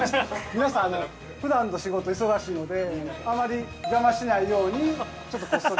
◆皆さんふだんの仕事が忙しいのであまり邪魔しないようにちょっとこっそり。